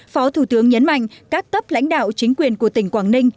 phó thủ tướng nhấn mạnh các cấp lãnh đạo chính quyền của tỉnh quảng ninh